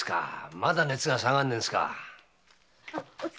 まだ熱が下がんないんですか。